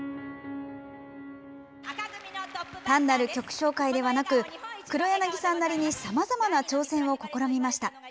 単なる曲紹介ではなく黒柳さんなりにさまざまな挑戦を試みました。